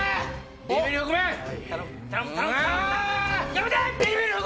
やめて！